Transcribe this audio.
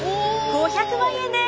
５００万円です。